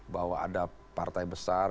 bahwa ada partai besar